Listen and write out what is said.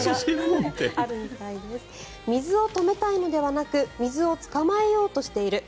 水を止めたいのではなく水を捕まえようとしている。